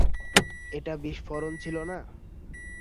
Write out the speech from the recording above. এটা বিস্ফোরণ ছিল না?